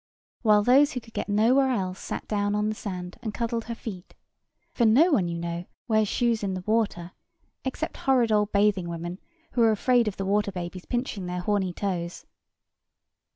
While those who could get nowhere else sat down on the sand, and cuddled her feet—for no one, you know, wear shoes in the water, except horrid old bathing women, who are afraid of the water babies pinching their horny toes.